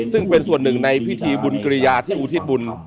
ซึ่งเป็นส่วนหนึ่งในพิธีบุญกริยาที่อุทิศบุญ